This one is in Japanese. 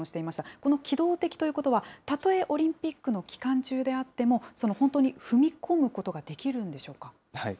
この機動的ということは、たとえオリンピックの期間中であっても、本当に踏み込むことができるんでしょうか。